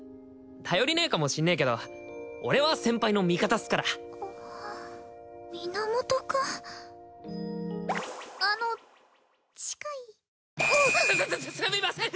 頼りねえかもしんねえけど俺は先輩の味方っすから源くんあの近いすすすすすみません